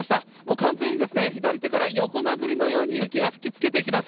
完全に左手から横殴りのように雪が吹きつけてきます。